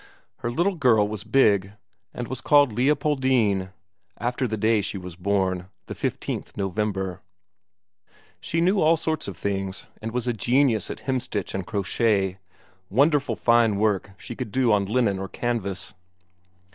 Her little girl was big, and was called Leopoldine, after the day she was born, the 15th November. She knew all sorts of things, and was a genius at hemstitch and crochet, wonderful fine work she could do on linen or canvas.